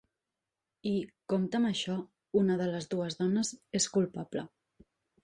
I, compte amb això, una de les dues dones és culpable.